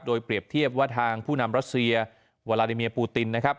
โดยเปรียบเทียบว่าทางผู้นำรัสเซียวาลาดิเมียปูตินนะครับ